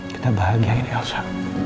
kita bahagia ya elsa